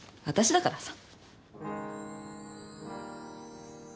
私だからさ。